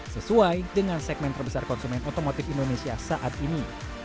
sesuai dengan segmen terbesar konsumen otomotif indonesia saat ini